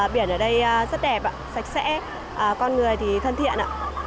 biển ở đây rất đẹp sạch sẽ con người thì thân thiện ạ